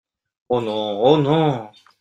Oh non ! oh non !